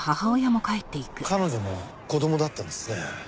彼女の子供だったんですね。